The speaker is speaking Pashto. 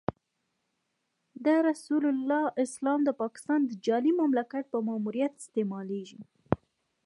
د رسول الله اسلام د پاکستان د جعلي مملکت په ماموریت استعمالېږي.